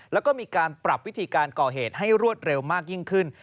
แล้วก็มีการปรับวิธีการก่อเหตุให้รวดเร็วมากยิ่งขึ้น